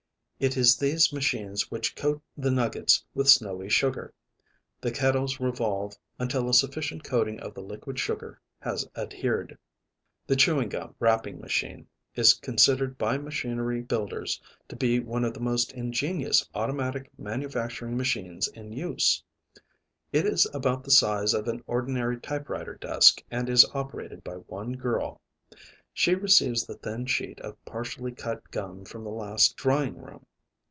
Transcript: It is these machines which coat the nuggets with snowy sugar. The kettles revolve until a sufficient coating of the liquid sugar has adhered. The chewing gum wrapping machine is considered by machinery builders to be one of the most ingenious automatic manufacturing machines in use. It is about the size of an ordinary typewriter desk and is operated by one girl. She receives the thin sheet of partially cut gum from the last drying room.